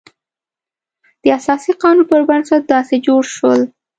د اساسي قانون پر بنسټ داسې جوړ شول.